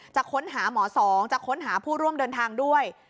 จะค้นหาหมอสองจะค้นหาผู้ร่วมเดินทางด้วย